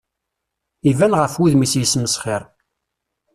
Iban ɣef wudem-is yesmesxir.